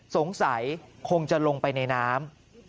สงสัยคงจะลงไปในน้ำ